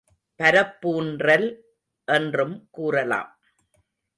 பரப்பூன்றல் என்றும் கூறலாம்.